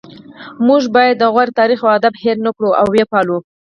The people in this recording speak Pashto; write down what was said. موږ باید د غور تاریخ او ادب هیر نکړو او ويې پالو